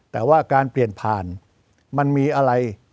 แต่ว่าการเปลี่ยนผ่านมันมีอะไร